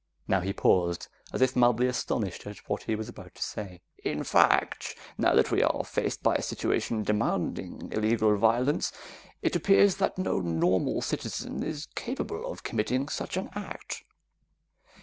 Now he paused, as if mildly astonished at what he was about to say. "In fact, now that we are faced by a situation demanding illegal violence, it appears that no normal citizen is capable of committing such an act.